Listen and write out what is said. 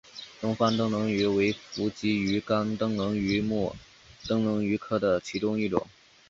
东方灯笼鱼为辐鳍鱼纲灯笼鱼目灯笼鱼科的其中一种。